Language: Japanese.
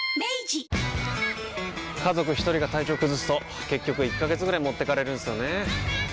家族一人が体調崩すと結局１ヶ月ぐらい持ってかれるんすよねー。